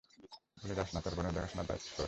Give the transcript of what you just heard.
ভুলে যাস না, তোর বোনের দেখাশোনার দায়িত্ব তোর।